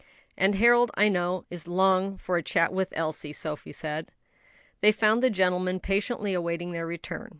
"And Harold, I know, is longing for a chat with Elsie," Sophie said. They found the gentlemen patiently awaiting their return.